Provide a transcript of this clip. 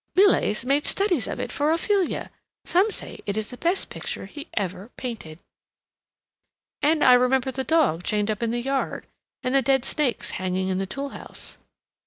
"Millais made studies of it for 'Ophelia.' Some say that is the best picture he ever painted—" "And I remember the dog chained up in the yard, and the dead snakes hanging in the toolhouse."